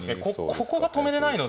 ここが止めれないので。